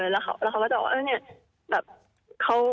แล้วเขาก็จะบอกว่า